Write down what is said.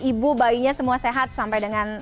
ibu bayinya semua sehat sampai dengan